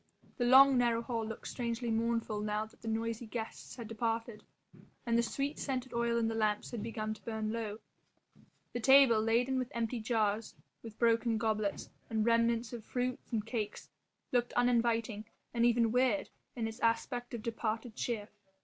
The long narrow hall looked strangely mournful now that the noisy guests had departed, and the sweet scented oil in the lamps had begun to burn low. The table, laden with empty jars, with broken goblets, and remnants of fruits and cakes, looked uninviting and even weird in its aspect of departed cheer.